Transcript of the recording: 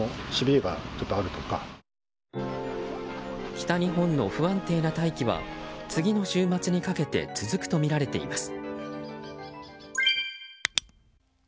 北日本の不安定な大気は次の週末にかけて続くとみられています。